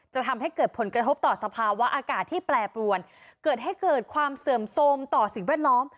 จะทำให้เกิดผลกระทบต่อสภาวะอากาศที่แปรปรวนเกิดให้เกิดความเสื่อมโทรมต่อสิ่งแวดล้อม